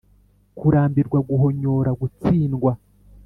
kurambirwa, guhonyora, gutsindwa